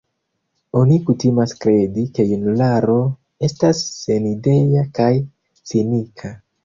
Oni kutimas kredi, ke junularo estas senidea kaj cinika.